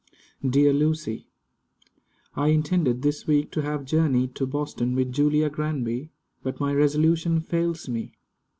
Dear Lucy: I intended this week to have journeyed to Boston with Julia Granby; but my resolution fails me.